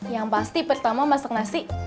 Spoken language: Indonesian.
yang pasti pertama masak nasi